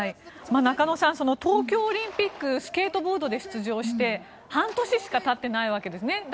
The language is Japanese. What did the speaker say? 中野さん東京オリンピックスケートボードで出場して半年しか経っていないわけですね。